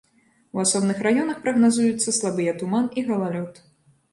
У асобных раёнах прагназуюцца слабыя туман і галалёд.